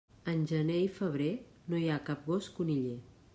En gener i febrer, no hi ha cap gos coniller.